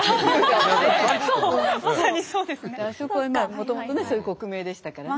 あそこはまあもともとねそういう国名でしたからね。